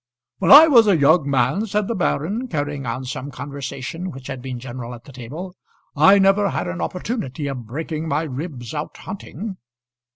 "When I was a young man," said the baron, carrying on some conversation which had been general at the table, "I never had an opportunity of breaking my ribs out hunting."